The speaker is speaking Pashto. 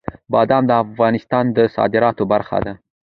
بادام د افغانستان د صادراتو برخه ده.